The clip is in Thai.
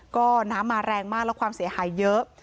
ก็น้ำมาแรงมากแล้วความเสียหายเยอะ